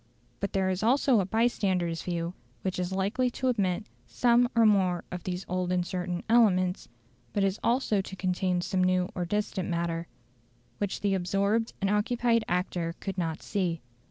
But there is also a bystander's view which is likely to omit some one or more of these old and certain elements, but also to contain some new or distant matter, which the absorbed and occupied actor could not see.